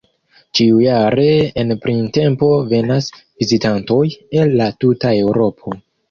Ĉiujare en printempo venas vizitantoj el la tuta Eŭropo.